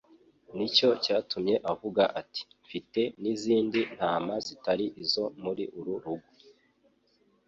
nicyo cyatumye avuga ati: «Mfite n'izindi ntama zitari izo muri uru rugo;